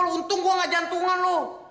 lo untung gue gak jantungan lo